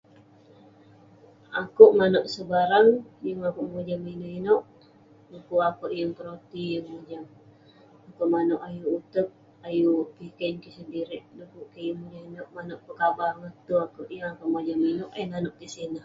Akuek manuek sebarang yeng akuek mojam ineuk-inuek dukuk akuek yeng perotei ineh akuek juk manuek ayuk utek ayuk piken kik sendirik akuek yeng mojam ineuk manuek kabah ngatei yeng akuek mojam ineuk eh nanouk eh sineh.